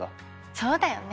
そうだよね。